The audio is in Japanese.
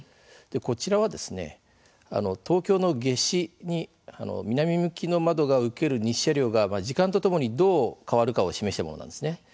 こちらは、東京の夏至に南向きの窓が受ける日射量が時間とともに、どう変わるかを示したものなんですね。